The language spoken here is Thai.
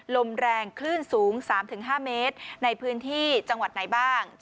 ลมแรงคลื่นสูง๓๕เมตรในพื้นที่จังหวัดไหนบ้าง